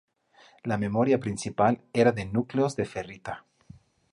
La memoria principal era de núcleos de ferrita.